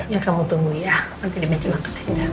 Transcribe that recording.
ya kamu tunggu ya nanti di meja makan aja